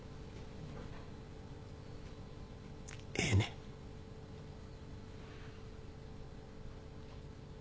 ええねん。